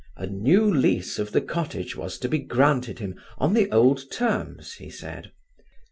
A new lease of the cottage was to be granted him on the old terms, he said.